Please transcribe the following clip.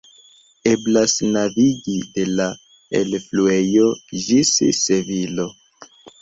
Eblas navigi de la elfluejo ĝis Sevilo.